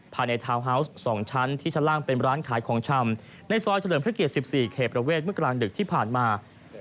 ภายในทาวน์ฮาวส์สองชั้นที่ชะล่างเป็นร้านขายของชำ